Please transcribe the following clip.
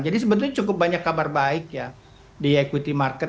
jadi sebetulnya cukup banyak kabar baik ya di equity market